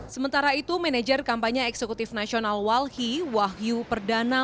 sementara itu manajer kampanye eksekutif nasional walhi wahyu perdana